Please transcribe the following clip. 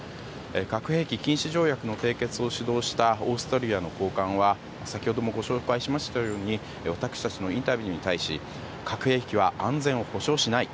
核兵器禁止条約の締結を主導したオーストリアの高官は先ほどもご紹介しましたように私たちのインタビューに対し核兵器は安全を保障しない。